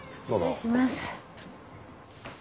失礼します。